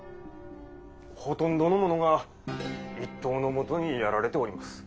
ほとんどの者が一刀のもとにやられております。